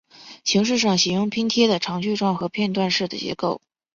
形式上喜用拼贴的长矩状和片段式的结构。